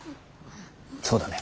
そうだね。